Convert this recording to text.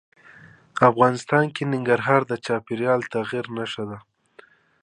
افغانستان کې ننګرهار د چاپېریال د تغیر نښه ده.